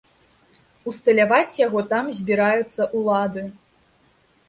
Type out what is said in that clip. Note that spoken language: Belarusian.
Усталяваць яго там збіраюцца ўлады.